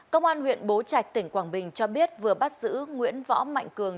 công an huyện bố trạch tỉnh quảng bình cho biết vừa bắt giữ nguyễn võ mạnh cường